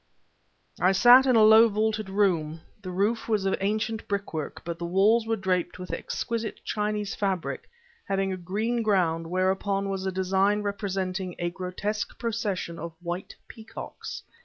I sat in a low vaulted room. The roof was of ancient brickwork, but the walls were draped with exquisite Chinese fabric having a green ground whereon was a design representing a grotesque procession of white peacocks.